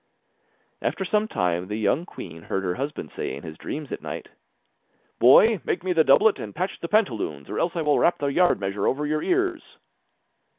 After some time the young queen heard her husband say in his dreams at night: 'Boy, make me the doublet, and patch the pantaloons, or else I will rap the yard measure over your ears.